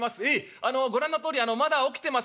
あのご覧のとおりまだ起きてます。